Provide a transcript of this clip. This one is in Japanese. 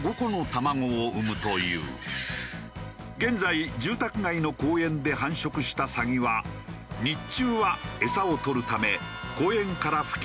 現在住宅街の公園で繁殖したサギは日中は餌を取るため公園から付近の水辺へ移動。